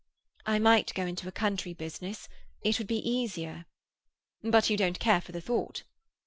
"I might go into a country business: it would be easier." "But you don't care for the thought?"